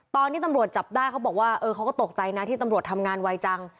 ตอนที่ตำรวจจับได้เขาบอกว่าเออเขาก็ตกใจนะที่ตำรวจทำงานไวจัง